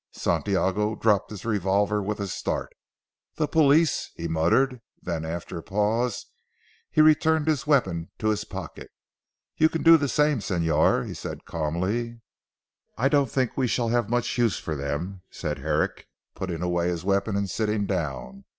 Santiago dropped his revolver with a start. "The police," he muttered; then after a pause he returned his weapon to his pocket. "You can do the same Señor," he said calmly. "I don't think we shall have much use for them," said Herrick putting away his weapon and sitting down.